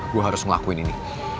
gue harus ngelakuin ini